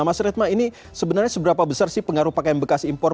mas retma ini sebenarnya seberapa besar sih pengaruh pakaian bekas impor